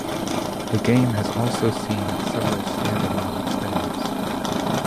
The game has also seen several stand-alone spinoffs.